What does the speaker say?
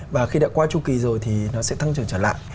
và khi đã qua chu kỳ rồi thì nó sẽ thăng trở trở lại